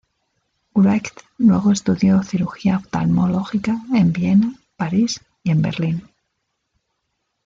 Wright luego estudió cirugía oftalmológica en Viena, París y en Berlín.